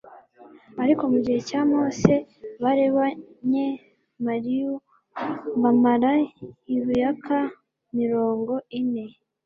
ariko mu gihe cya Mose bari banye Mariu bamara iruyaka mirongo ine